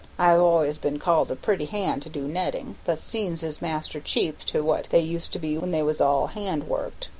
I've always been called a pretty hand to do nettin', but seines is master cheap to what they used to be when they was all hand worked.